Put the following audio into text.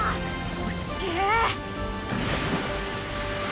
落ち着け！